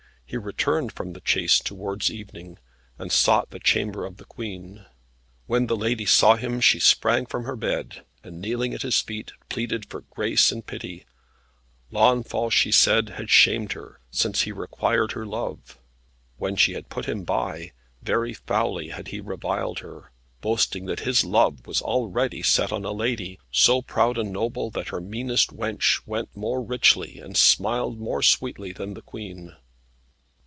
He returned from the chase towards evening, and sought the chamber of the Queen. When the lady saw him, she sprang from her bed, and kneeling at his feet, pleaded for grace and pity. Launfal she said had shamed her, since he required her love. When she had put him by, very foully had he reviled her, boasting that his love was already set on a lady, so proud and noble, that her meanest wench went more richly, and smiled more sweetly, than the Queen.